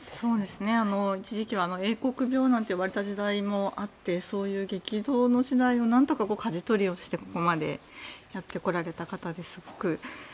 一時期は英国病なんて言われた時代もあってそういう激動の時代をなんとかかじ取りをしてここまでやってこられた方です。